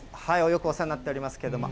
よくお世話になっておりますけれども。